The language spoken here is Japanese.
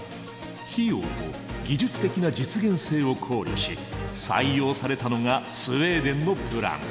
費用と技術的な実現性を考慮し採用されたのがスウェーデンのプラン。